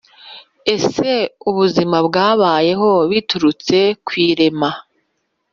Ese ubuzima bwabayeho biturutse ku irema?